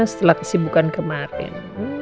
setelah kesibukan kemarin